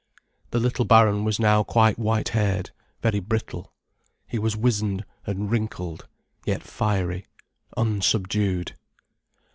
The little baron was now quite white haired, very brittle. He was wizened and wrinkled, yet fiery, unsubdued.